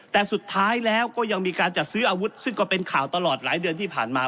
แต่สุดท้ายแล้วก็ยังมีการจัดซื้ออาวุธซึ่งก็เป็นข่าวตลอดหลายเดือนที่ผ่านมา